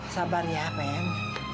sabar ya fen